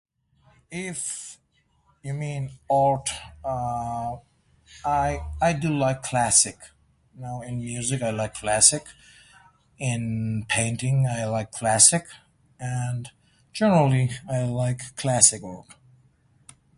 If you mean alt- uh, I I do like classic, you know. In music I like classic. In painting I like classic. And generally, I like classic work.